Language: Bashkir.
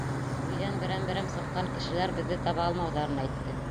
Өйҙән берәм-берәм сыҡҡан кешеләр беҙҙе таба алмауҙарын әйтте.